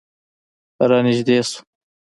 رانږدې شوه.